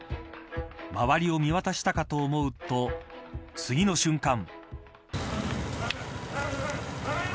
周りを見渡したかと思うと次の瞬間。